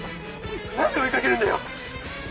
なんで追いかけるんだよ！？